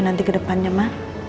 nanti ke depannya ma